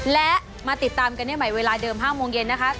และมาติดตามกันได้ใหม่เวลาเดิม๕โมงเย็นนะคะ